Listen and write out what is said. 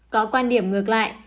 có quan điểm ngược lại